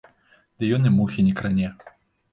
Ды ён і мухі не кране!